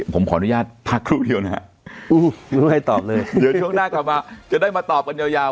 ผมขออนุญาตพักครู่เดียวนะครับเดี๋ยวช่วงหน้ากลับมาจะได้มาตอบกันยาว